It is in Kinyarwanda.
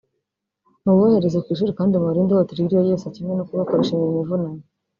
mubohereze ku ishuri kandi mubarinde ihohoterwa iryo ariryo ryose kimwe no kubakoresha imirimo ivunanye